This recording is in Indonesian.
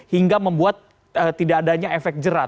hingga membuat tidak adanya efek jerah